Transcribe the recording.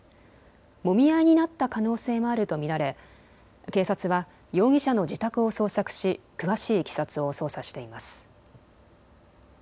もみ合いになった可能性もあると見られ、警察は容疑者の自宅を捜索し詳しいいきさつを捜査しています。